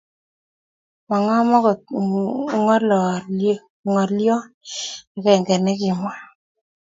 maang'am akot ng'olion agenge ne kimwa